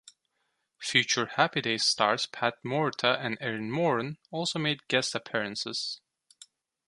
Future "Happy Days" stars Pat Morita and Erin Moran also made guest appearances.